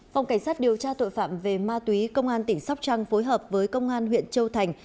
phòng cảnh sát điều tra tội phạm về ma túy công an tỉnh sóc trăng phối hợp với công an huyện châu thành